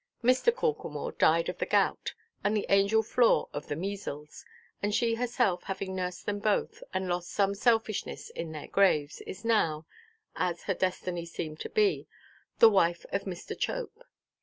Mr. Corklemore died of the gout, and the angel Flore of the measles; and she herself, having nursed them both, and lost some selfishness in their graves, is now (as her destiny seemed to be) the wife of Mr. Chope.